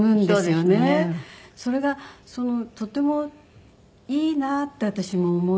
それがとてもいいなって私も思い。